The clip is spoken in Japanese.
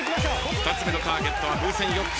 ２つ目のターゲットは風船４つ。